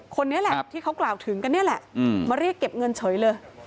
คนนี้แหละที่เขากล่าวถึงกันนี่แหละมาเรียกเก็บเงินเฉยเลย